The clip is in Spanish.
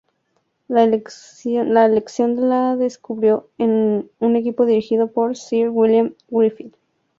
La aleación la descubrió un equipo dirigido por Sir William Griffith.